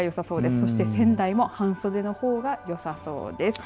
そして仙台も半袖の方がよさそうです。